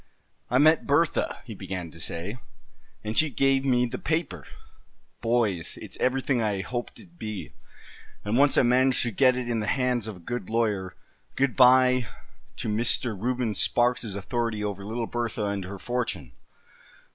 "I met Bertha," he began to say, "and she gave me the paper. Boys, it's everything I hoped it'd be; and once I manage to get it in the hands of a good lawyer, good bye to Mr. Reuben Sparks' authority over little Bertha, and her fortune."